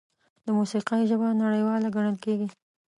د موسیقۍ ژبه نړیواله ګڼل کېږي.